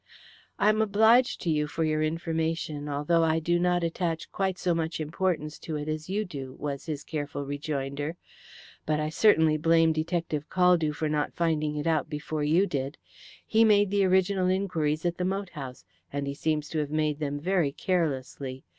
"I am obliged to you for your information, although I do not attach quite so much importance to it as you do," was his careful rejoinder. "But I certainly blame Detective Caldew for not finding it out before you did. He made the original inquiries at the moat house, and he seems to have made them very carelessly.